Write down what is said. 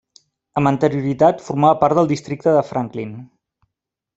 Amb anterioritat formava part del Districte de Franklin.